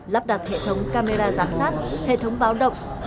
lắp đặt hệ thống camera giám sát hệ thống báo động